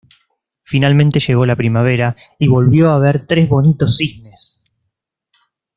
Finalmente llegó la primavera y ¡volvió a ver a tres bonitos cisnes!.